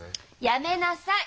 やめなさい！